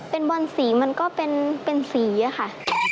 เป็นบอลสีมันก็เป็นสีค่ะ